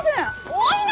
お稲！